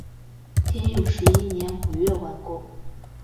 天佑十一年五月完工。